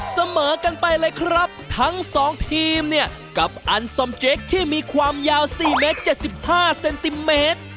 เสมอกันไปเลยครับทั้งสองทีมเนี่ยกับอันสมเจคที่มีความยาว๔เมตร๗๕เซนติเมตร